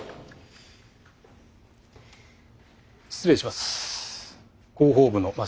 失礼します。